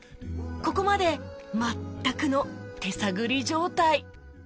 ここまで全くの手探り状態